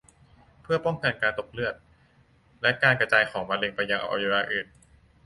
เพื่อป้องกันการตกเลือด และการกระจายของมะเร็งไปยังอวัยวะอื่น